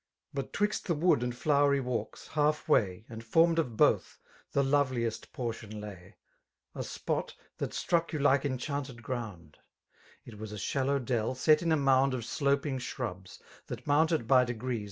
But 'twixt the wood and flowery walks, halfway. And formed of both, the loveliest portion lay, A spot, that struck you like enchanted ground: — It was a shallow dell, set in a mound Of sloping shrubs, that mounted by degrees.